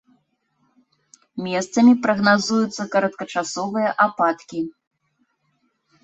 Месцамі прагназуюцца кароткачасовыя ападкі.